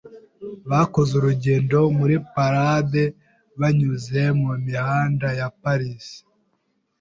Bakoze urugendo muri parade banyuze mumihanda ya Paris.